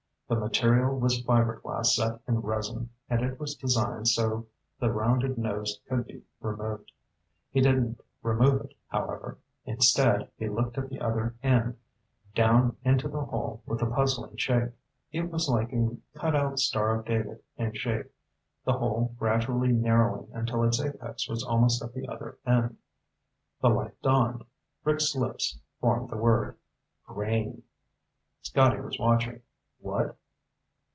The material was fiber glass set in resin, and it was designed so the rounded nose could be removed. He didn't remove it, however. Instead he looked at the other end, down into the hole with the puzzling shape. It was like a cutout Star of David in shape, the hole gradually narrowing until its apex was almost at the other end. The light dawned. Rick's lips formed the word. "Grain." Scotty was watching. "What?"